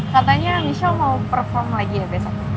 katanya michelle mau perform lagi ya besok